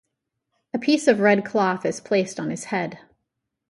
A piece of red cloth is placed on his head.